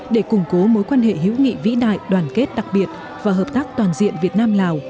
để củng cố mối quan hệ hữu nghị vĩ đại đoàn kết đặc biệt và hợp tác toàn diện việt nam lào